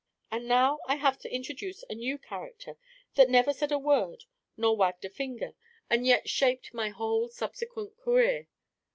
And now I have to introduce a new character that never said a word nor wagged a finger, and yet shaped my whole subsequent career.